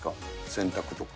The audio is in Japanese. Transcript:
洗濯とか。